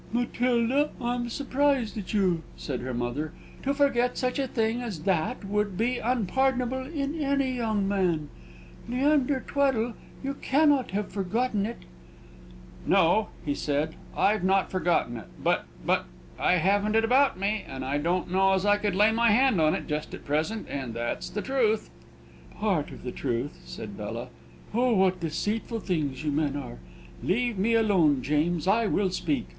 "Matilda, I'm surprised at you," said her mother. "To forget such a thing as that would be unpardonable in any young man. Leander Tweddle, you cannot have forgotten it." "No," he said, "I've not forgotten it; but but I haven't it about me, and I don't know as I could lay my hand on it, just at present, and that's the truth." "Part of the truth," said Bella. "Oh, what deceitful things you men are! Leave me alone, James; I will speak.